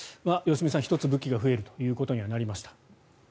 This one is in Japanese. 良純さん、１つ武器が増えるということにはなりました。